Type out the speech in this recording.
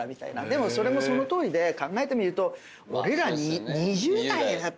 でもそれもそのとおりで考えてみると俺ら２０代だったから。